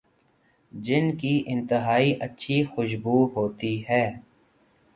جن کی انتہائی اچھی خوشبو ہوتی ہے